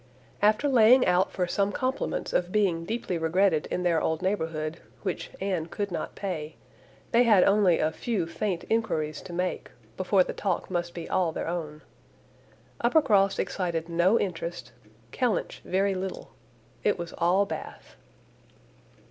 After laying out for some compliments of being deeply regretted in their old neighbourhood, which Anne could not pay, they had only a few faint enquiries to make, before the talk must be all their own. Uppercross excited no interest, Kellynch very little: it was all Bath.